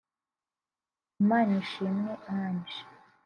Imanishimwe Ange